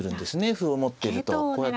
歩を持ってるとこうやって打つと桂馬